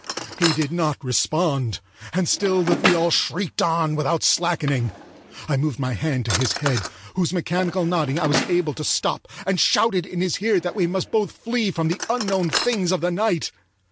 He did not respond, and still the viol shrieked on without slackening. I moved my hand to his head, whose mechanical nodding I was able to stop, and shouted in his ear that we must both flee from the unknown things of the night.